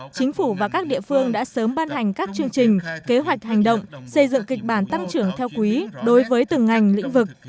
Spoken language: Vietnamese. chính phủ và các địa phương đã sớm ban hành các chương trình kế hoạch hành động xây dựng kịch bản tăng trưởng theo quý đối với từng ngành lĩnh vực